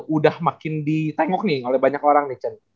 udah makin ditengok nih oleh banyak orang chan